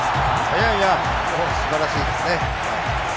いやいや、もうすばらしいですね。